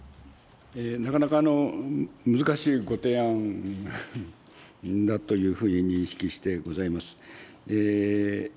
なかなか難しいご提案だというふうに認識してございます。